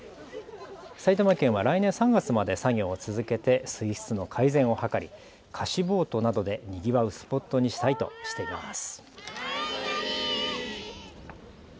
埼玉県は来年３月まで作業を続けて水質の改善を図り貸しボートなどでにぎわうスポットにしたいとしています。